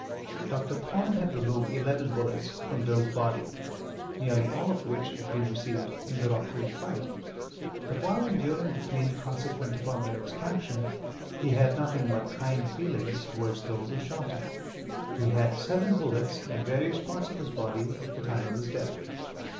Dr. Thorne had removed eleven bullets from Bill's body, nearly all of which had been received in the Rock Creek fight, but while enduring the pain consequent upon their extraction, he had nothing but kind feelings towards those who shot him. He had seven bullets in various parts of his body at the time of his death.